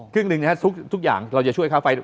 ครึ่งหนึ่งนะครับทุกอย่างเราจะช่วยค่าไฟ